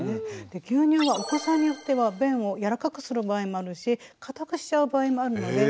牛乳はお子さんによっては便をやわらかくする場合もあるし硬くしちゃう場合もあるので。